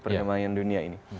pertamaian dunia ini